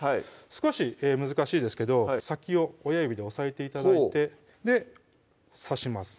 少し難しいですけど先を親指で押さえて頂いて刺します